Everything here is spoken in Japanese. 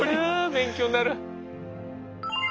勉強になる。